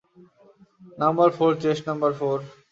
Number four chest number four?